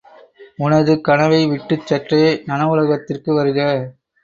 உனது கனவை விட்டுச் சற்றே நனவுலகத்திற்கு வருக!